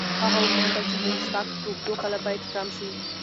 هغه وپوښتل چې د مسواک اوږدو کله باید کم شي.